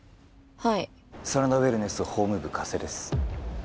はい真田ウェルネス法務部加瀬です